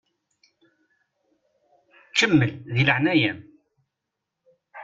Kemmel di leɛnaya-m!